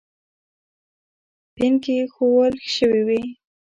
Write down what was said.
پنکې ایښوول شوې وې.